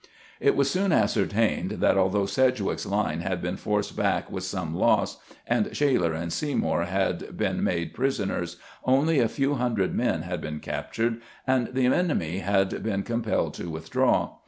It was soon ascertained that although Sedgwick's line had been forced back with some loss, and Shaler and Seymour had been made prisoners, only a few hundred men had been captured, and the enemy had been com pelled to withdraw.